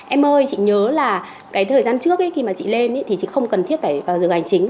em ơi chị nhớ là cái thời gian trước khi mà chị lên thì chị không cần thiết phải vào giờ hành chính